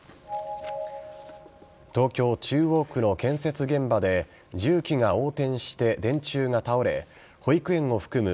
東京・中央区の建設現場で重機が横転して電柱が倒れ保育園を含む